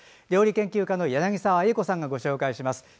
料理研究家の柳澤英子さんがご紹介します。